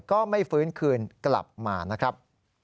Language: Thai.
ก็ไม่ฟื้นคืนกลับมานะครับ